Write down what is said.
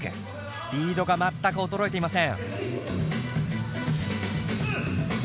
スピードが全く衰えていません。